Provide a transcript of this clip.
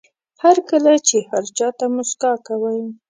هر کله چې هر چا ته موسکا کوئ.